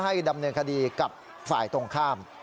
ดำเนินคดีกับฝ่ายตรงข้าม